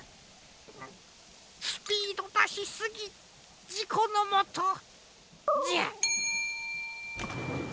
スピードだしすぎじこのもとじゃ。